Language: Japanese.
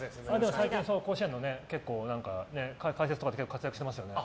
最近、甲子園の解説とかで活躍してましたね。